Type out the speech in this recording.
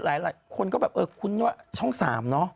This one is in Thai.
หลายคนก็แบบเออคุ้นว่าช่อง๓เนอะ